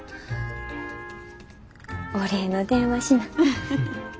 お礼の電話しな。